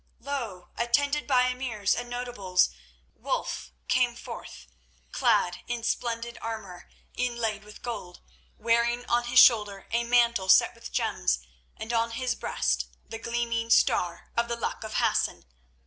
Lo! attended by emirs and notables, Wulf came forth, clad in splendid armour inlaid with gold, wearing on his shoulder a mantel set with gems and on his breast the gleaming Star of the Luck of Hassan.